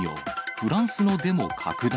フランスのデモ拡大。